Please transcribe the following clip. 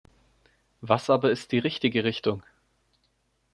Was aber ist die richtige Richtung?